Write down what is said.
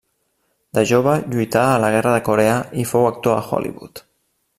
De jove lluità a la Guerra de Corea i fou actor a Hollywood.